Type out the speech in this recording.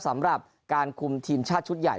สำหรับการคุมทีมชาติชุดใหญ่